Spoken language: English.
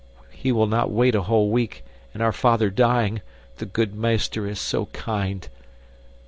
He will not wait a whole week and our father dying, the good meester is so kind."